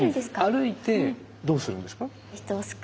歩いてどうするんですか？